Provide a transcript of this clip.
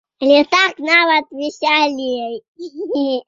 Але так нават весялей.